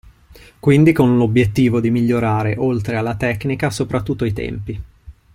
Quindi con l'obiettivo di migliorare, oltre alla tecnica, soprattutto i tempi.